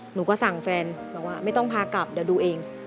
หนูก็สั่งแฟนบอกว่าไม่ต้องพากลับเดี๋ยวดูเอง